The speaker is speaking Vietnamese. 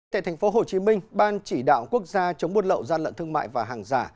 tại thành phố hồ chí minh ban chỉ đạo quốc gia chống buôn lậu gian lận thương mại và hàng giả